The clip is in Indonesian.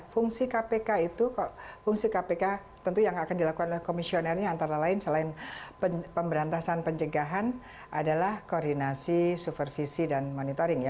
fungsi kpk itu fungsi kpk tentu yang akan dilakukan oleh komisionernya antara lain selain pemberantasan pencegahan adalah koordinasi supervisi dan monitoring ya